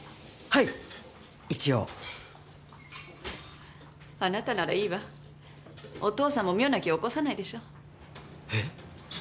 はい一応あなたならいいわお父さんも妙な気を起こさないでしょうえっ